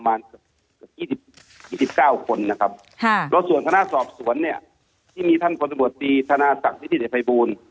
แล้วศอบสน้ำสรรคที่มีท่านคตบวทีศนาศรักษณ์วิทยาศิลปัยบูล